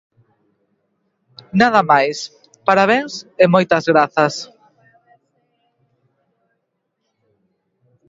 Nada máis, parabéns e moitas grazas.